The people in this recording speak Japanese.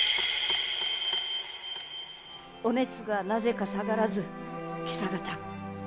お熱がなぜか下がらず今朝方。